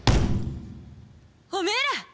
おめえら！